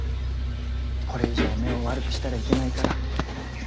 これ以上目を悪くしたらいけないから。